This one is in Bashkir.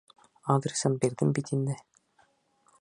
Адресын бирҙем бит инде.